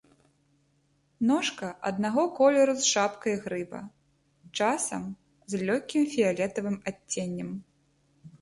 Ножка аднаго колеру з шапкай грыба, часам з лёгкім фіялетавым адценнем.